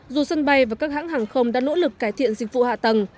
dù sân bay và các hãng hàng không đã nỗ lực cải thiện dịch vụ hạ tầng